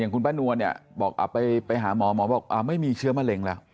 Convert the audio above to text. คุณป้านวลเนี่ยบอกไปหาหมอหมอบอกไม่มีเชื้อมะเร็งแล้ว